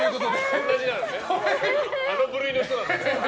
あの部類の人だもんね。